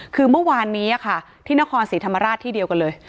คือเมื่อวานนี้ค่ะที่นครศรีธรรมราชที่เดียวกันเลย